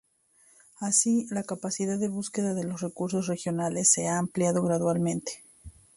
Así, la capacidad de búsqueda de los recursos regionales se ha ampliado gradualmente.